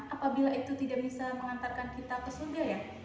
apabila itu tidak bisa mengantarkan kita ke surga ya